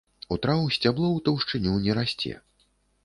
У траў сцябло ў таўшчыню не расце.